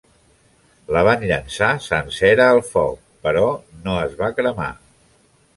La van llençar sencera al foc, però no es va cremar.